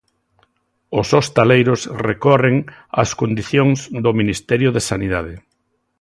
Os hostaleiros recorren as condicións do Ministerio de Sanidade.